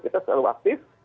kita selalu aktif